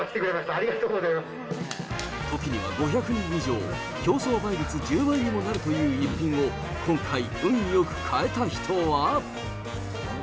ありがと時には５００人以上、競争倍率１０倍にもなるという逸品を今回運よく買えた人は。